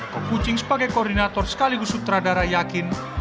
com kucing sebagai koordinator sekaligus sutradara yakin